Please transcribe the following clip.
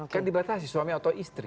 kan dibatasi suami atau istri